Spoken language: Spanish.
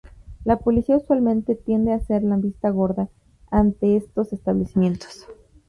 La policía usualmente tiende a hacer la vista gorda antes estos establecimientos.